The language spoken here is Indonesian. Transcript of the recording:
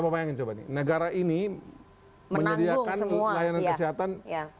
coba bayangin coba nih negara ini menyediakan layanan kesehatan